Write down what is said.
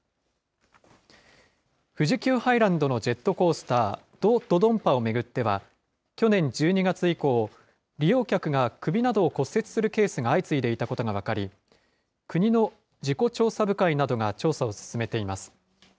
富士急ハイランドのジェットコースター、ド・ドドンパを巡っては、去年１２月以降、利用客が首などを骨折するケースが相次いでいたことが分かり、国の事故調査部会などが調査を進めています。